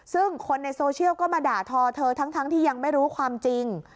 ซึ่งคนในโซเชียลก็มาด่าทอเธอทั้งที่ยังไม่รู้ความจริง